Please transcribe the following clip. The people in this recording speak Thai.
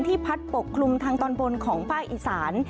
พัดปกคลุมทางตอนบนของภาคอีสาน